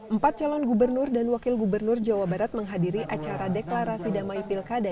empat calon gubernur dan wakil gubernur jawa barat menghadiri acara deklarasi damai pilkada